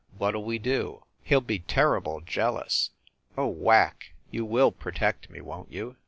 What ll we do? He ll be terrible jealous. Oh, Whack, you will protect me, won t you?"